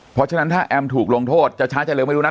เพราะฉะนั้นถ้าแอมถูกลงโทษจะช้าจะเร็วไม่รู้นะ